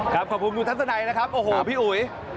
ขอบคุณคุณทัศนัยนะครับโอ้โหพี่อุ๋ย